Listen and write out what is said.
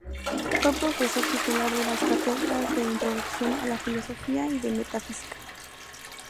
Fue Profesor Titular de las cátedras de Introducción a la Filosofía y de Metafísica.